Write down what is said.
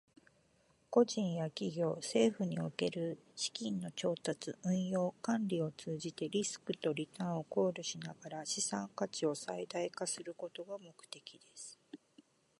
個人や企業、政府における資金の調達、運用、管理を通じて、リスクとリターンを考慮しながら資産価値を最大化することが目的です。